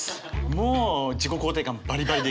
もう自己肯定感バリバリで。